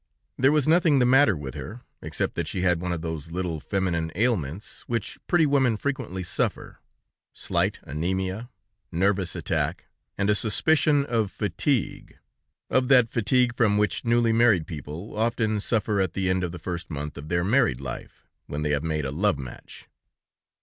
There was nothing the matter with her, except that she had one of those little feminine ailments from which pretty women frequently suffer; slight anaemia, nervous attack, and a suspicion of fatigue, of that fatigue from which newly married people often suffer at the end of the first month of their married life, when they have made a love match.